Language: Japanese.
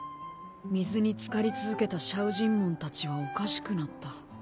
水に漬かり続けたシャウジンモンたちはおかしくなった。